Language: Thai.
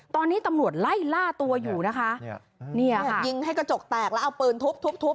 ตอนนี้ตำรวจไล่ล่าตัวอยู่นะคะยิงให้กระจกแตกแล้วเอาเปลืองทุบ